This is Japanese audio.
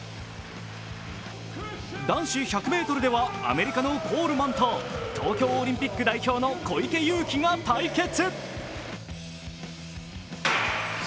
男子１００ｍではアメリカのコールマンと東京オリンピック代表の小池祐貴が対決。